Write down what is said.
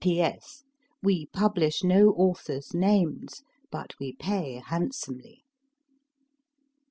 P.S. We publish no authors names, but we pay handsomely.